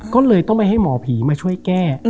ก็เลยต้องไปให้หมอผีมาช่วยแก้